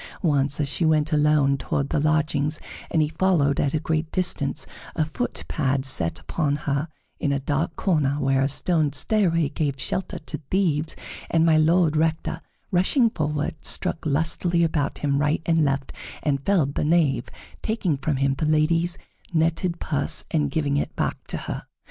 Once, as she went alone toward the lodgings, and he followed at a great distance, a foot pad set upon her in a dark corner, where a stone stairway gave shelter to thieves, and My Lord Rector, rushing forward, struck lustily about him right and left and felled the knave, taking from him the lady's netted purse and giving it back to her.